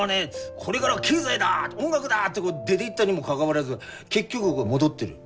これがらは経済だ音楽だって出ていったにもかかわらず結局戻ってる。